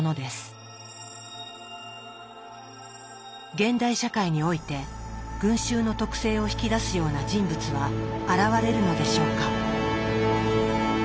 現代社会において群衆の徳性を引き出すような人物は現れるのでしょうか？